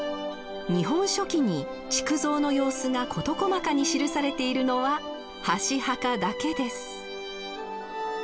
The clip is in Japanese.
「日本書紀」に築造の様子が事細かに記されているのは箸墓だけです。